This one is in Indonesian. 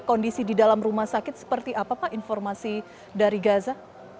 kondisi di dalam rumah sakit seperti apa pak informasi dari gaza